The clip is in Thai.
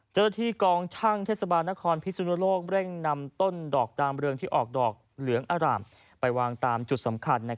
เจ้าหน้าที่กองช่างเทศบาลนครพิสุนโลกเร่งนำต้นดอกดามเรืองที่ออกดอกเหลืองอร่ามไปวางตามจุดสำคัญ